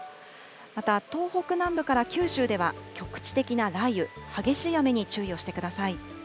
また、東北南部から九州では局地的な雷雨、激しい雨に注意をしてください。